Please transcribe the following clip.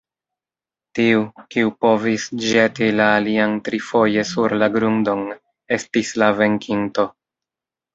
Tiu, kiu povis ĵeti la alian trifoje sur la grundon, estis la venkinto.